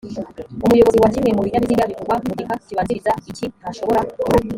umuyobozi wa kimwe mu binyabiziga bivugwa mu gika kibanziriza iki ntashobora